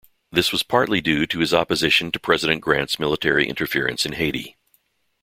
This was partly due to his opposition to President Grant's military interference in Haiti.